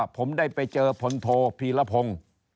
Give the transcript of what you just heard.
ผมได้ไปเจอผลโธพีรภง